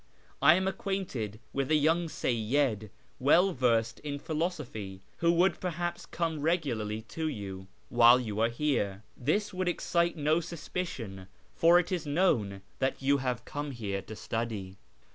I am acquainted with a young Seyyid well versed in philosophy, who would perhaps come regularly to you while you are here. This would excite no suspicion, for it is known that you have come here to study."